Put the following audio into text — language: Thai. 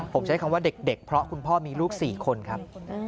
ผมใช้คำว่าเด็กเพราะคุณพ่อมีลูก๔คนครับ